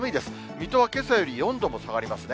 水戸はけさより４度も下がりますね。